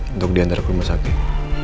untuk diantar ke rumah sakit